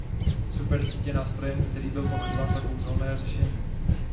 Supersíť je nástrojem, který byl považován za kouzelné řešení.